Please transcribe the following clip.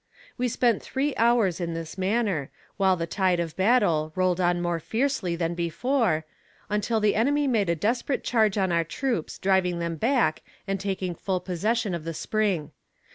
We spent three hours in this manner, while the tide of battle rolled on more fiercely than before, until the enemy made a desperate charge on our troops driving them back and taking full possession of the spring.